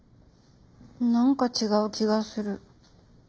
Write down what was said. なんか違う気がする。